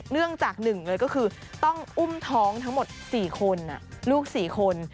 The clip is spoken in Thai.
เนื่องจากหนึ่งเลยก็คือต้องอุ้มท้องทั้งหมด๔คนลูก๔คน